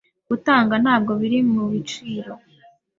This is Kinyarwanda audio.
Gutanga ntabwo biri mubiciro.